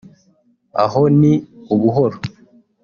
aho ni ubuhoro